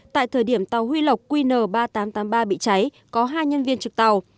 tại thời điểm tàu huy lộc qn ba nghìn tám trăm tám mươi ba bị cháy có hai nhân viên trực tàu